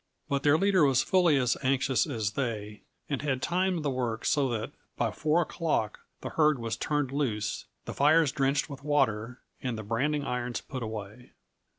But their leader was fully as anxious as they and had timed the work so that by four o'clock the herd was turned loose, the fires drenched with water and the branding irons put away.